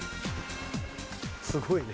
すごいね。